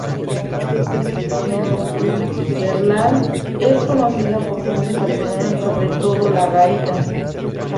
Northumberland es conocida por su música tradicional, sobre todo la gaita.